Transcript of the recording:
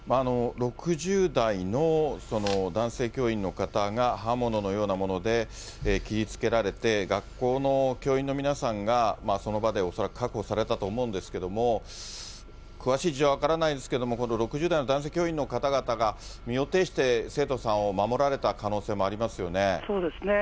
６０代の男性教員の方が刃物のようなもので切りつけられて、学校の教員の皆さんがその場で確保されたと思うんですけれども、詳しい事情は分からないですけれども、この６０代の男性教員の方々が、身を挺して生徒さんを守られた可そうですね。